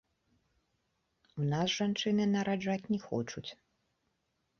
У нас жанчыны нараджаць не хочуць.